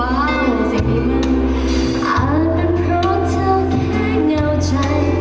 อาจเป็นเพราะเธอแค่เหงาใจ